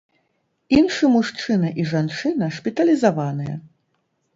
Іншы мужчына і жанчына шпіталізаваныя.